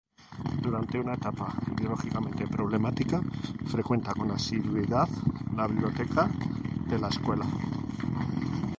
Durante una etapa ideológicamente problemática, frecuenta con asiduidad la biblioteca de la Escuela.